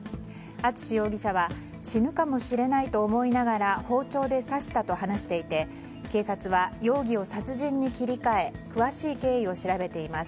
敦容疑者は死ぬかもしれないと思いながら包丁で刺したと話していて警察は容疑を殺人に切り替え詳しい経緯を調べています。